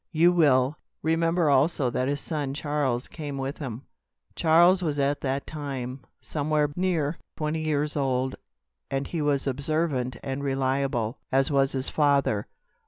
You will remember also that his son Charles came with him. Charles was at that time somewhere near twenty years old; and he was observant and reliable, as was his father.